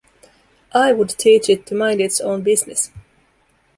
I would teach it to mind its own business!